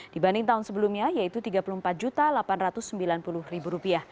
dibanding tahun sebelumnya yaitu rp tiga puluh empat delapan ratus sembilan puluh